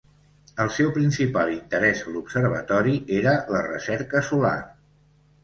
El seu principal interès a l'observatori era la recerca solar.